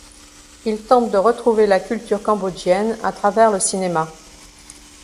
Il tente de retrouver la culture cambodgienne à travers le cinéma.